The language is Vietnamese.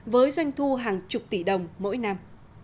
với doanh thu hàng chục tỷ đồng mỗi năm